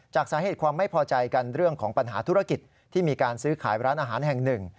จากสาเหตุความไม่พอใจกันเรื่องของปัญหาธุรกิจที่มีการซื้อขายร้านอาหารแห่งหนึ่ง